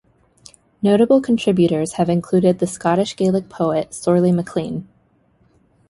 Notable contributors have included the Scottish Gaelic poet Sorley MacLean.